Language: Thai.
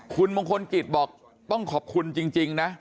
คุณมงคลกิจบอกต้องขอบคุณจริงนะ